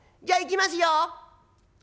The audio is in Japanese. じゃいきますよ。